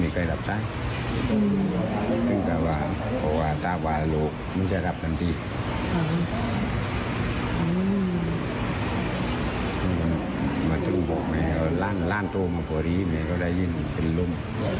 มาถึงบอกแม่ล่านตัวมาพอดีแม่ก็ได้ยินเป็นลุ่ม